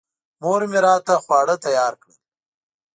مور مې راته خواړه تیار کړل.